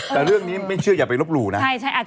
แต่เรื่องนี้ไม่เชื่ออย่าไปลบหลู่นะ